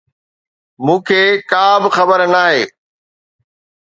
مون کي ڪا به خبر ناهي.